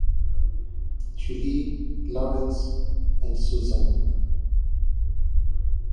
Julie, Lawrence and Susan.